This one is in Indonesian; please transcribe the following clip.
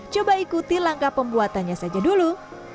coba ikuti langkah pembuatannya saja dulu